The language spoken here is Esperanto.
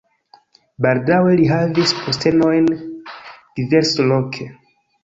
Baldaŭe li havis postenojn diversloke.